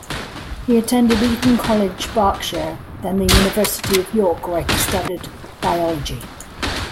He attended Eton College, Berkshire, then the University of York, where he studied Biology.